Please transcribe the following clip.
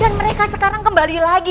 dan mereka sekarang kembali lagi